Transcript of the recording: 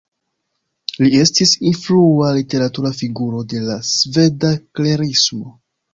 Li estis influa literatura figuro de la sveda Klerismo.